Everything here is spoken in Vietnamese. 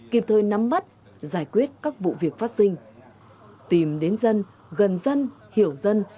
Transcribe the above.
kịp thời nắm bắt giải quyết các vụ việc phát sinh tìm đến dân gần dân hiểu dân